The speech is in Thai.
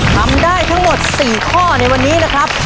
ทำได้ทั้งหมด๔ข้อในวันนี้นะครับ